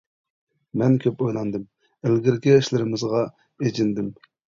مەن كۆپ ئويلاندىم، ئىلگىرىكى ئىشلىرىمىزغا ئېچىندىم.